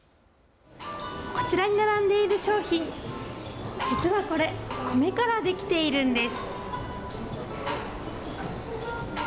こちらに並んでいる商品、実はこれ、コメから出来ているんです。